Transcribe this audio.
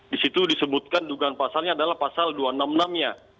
di situ disebutkan dugaan pasalnya adalah pasal dua ratus enam puluh enam nya